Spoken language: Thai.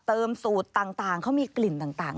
เติมสูตรต่างเขามีกลิ่นต่าง